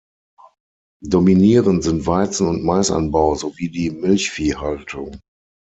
Dominierend sind Weizen- und Maisanbau sowie die Milchviehhaltung.